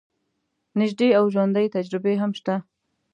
نژدې او ژوندۍ تجربې هم شته.